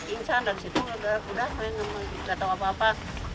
insan dari situ udah saya nggak tahu apa apa